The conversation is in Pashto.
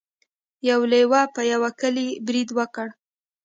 یو لیوه په یوه کلي برید وکړ.